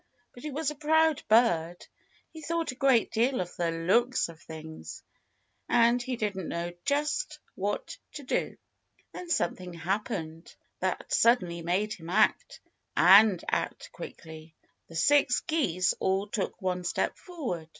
But he was a proud bird. He thought a great deal of the looks of things. And he didn't know just what to do. Then something happened that suddenly made him act and act quickly. The six geese all took one step forward.